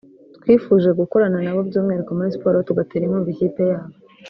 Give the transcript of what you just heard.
twifuje gukorana nabo by’umwihariko muri Siporo tugatera inkunga ikipe yabo”